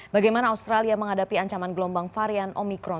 bagaimana australia menghadapi ancaman gelombang varian omikron